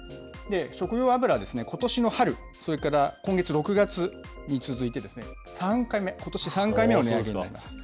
食用油、ことしの春、それから今月・６月に続いて、３回目、ことし３回目の値上げになります。